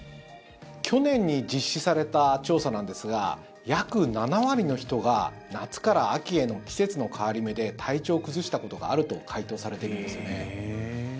去年に実施された調査なんですが約７割の人が夏から秋への季節の変わり目で体調を崩したことがあると回答されているんですよね。